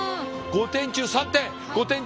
５点中３点。